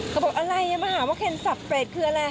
เขาบอกอะไรมาหาว่าเคนสับเปรตคืออะไร